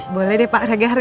boleh deh pak regar